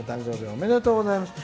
おめでとうございます。